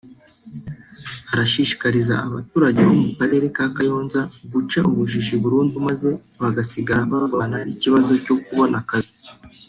arashishikariza abaturage bo mu karere ka Kayonza guca ubujiji burundu maze bagasigara barwana n’ikibazo cyo kubona akazi